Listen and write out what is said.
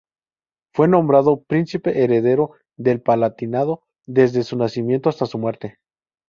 Fue nombrado "Príncipe Heredero del Palatinado" desde su nacimiento hasta su muerte.